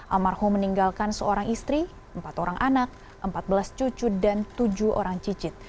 almarhum meninggalkan seorang istri empat orang anak empat belas cucu dan tujuh orang cicit